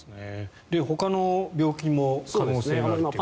ほかの病気も可能性があるということですね。